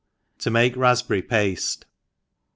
To make Raspberry Past e; .